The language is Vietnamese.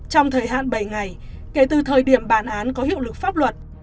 trong thời hạn bảy ngày kể từ thời điểm bản án có hiệu lực pháp luật